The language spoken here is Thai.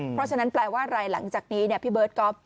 เพราะฉะนั้นแปลว่าอะไรหลังจากนี้พี่เบิร์ตก๊อฟ